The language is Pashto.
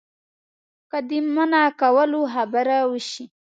که د منع کولو خبره وشي.